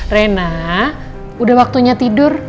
rena udah waktunya tidur